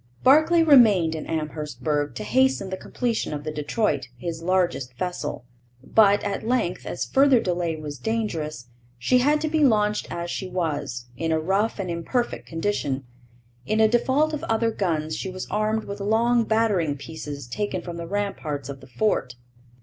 Barclay remained in Amherstburg to hasten the completion of the Detroit, his largest vessel. But, at length, as further delay was dangerous, she had to be launched as she was, in a rough and imperfect condition. In default of other guns, she was armed with long battering pieces taken from the ramparts of the fort.